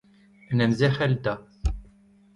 en em zerc'hel da